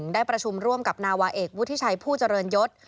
ได้ประชุมร่วมกับนาวาเอกวุฒิชัยผู้เจริญยศ